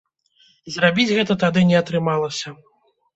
Зрабіць гэта тады не атрымалася.